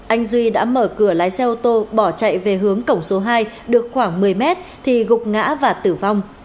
anh duy đã mở cửa lái xe ô tô bỏ chạy về hướng cổng số hai được khoảng một mươi mét thì gục ngã và tử vong